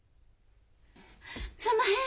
すんまへん！